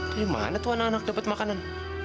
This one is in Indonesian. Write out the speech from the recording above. dari mana tuh anak anak dapat makanan